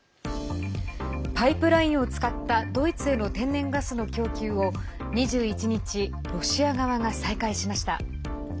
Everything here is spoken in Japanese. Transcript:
パイプラインを使ったドイツへの天然ガスの供給を２１日、ロシア側が再開しました。